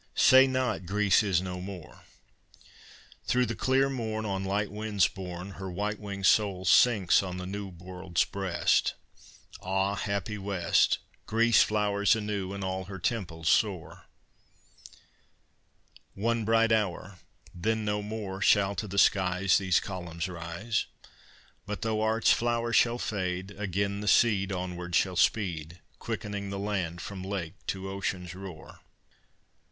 III Say not, "Greece is no more." Through the clear morn On light winds borne Her white winged soul sinks on the New World's breast. Ah! happy West Greece flowers anew, and all her temples soar! IV One bright hour, then no more Shall to the skies These columns rise. But though art's flower shall fade, again the seed Onward shall speed, Quickening the land from lake to ocean's roar.